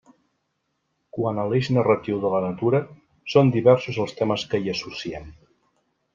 Quant a l'eix narratiu de la natura, són diversos els temes que hi associem.